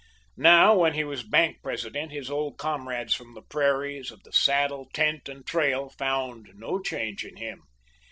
Now, when he was bank president, his old comrades from the prairies, of the saddle, tent, and trail found no change in him.